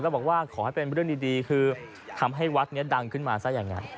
แล้วบอกว่าขอให้เป็นเพื่อเรื่องดีดีคือทำให้วัสล์นี้ดังขึ้นมาทราบ